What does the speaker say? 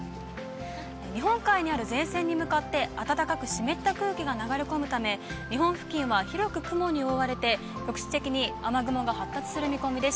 日本海にある前線に向かって暖かく湿った空気が流れ込むため、日本付近は広く雲に覆われて、局地的に雨雲が発達する見込みです。